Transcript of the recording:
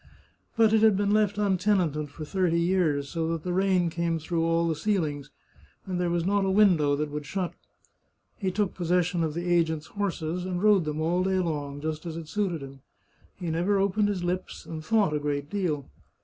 But it had been left untenanted for thirty years, so that the rain came through all the ceilings, and there was not a window that would shut. He took possession of the agent's horses, and rode them all day long, just as it suited him. He never opened his lips, and thought a great deal.